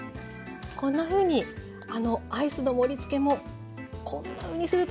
こんなふうにアイスの盛りつけもこんなふうにするといいですね。